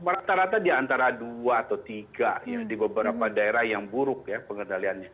rata rata di antara dua atau tiga ya di beberapa daerah yang buruk ya pengendaliannya